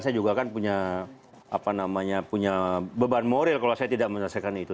saya juga kan punya beban moral kalau saya tidak menyelesaikan itu